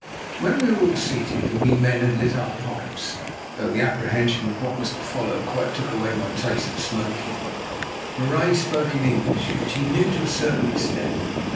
When all were seated and we men had lit our pipes, though apprehension of what was to follow quite took away my taste for smoking, Marais spoke in English, which he knew to a certain extent.